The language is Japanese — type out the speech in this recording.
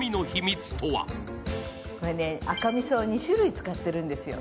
赤みそを２種類使ってるんですよ、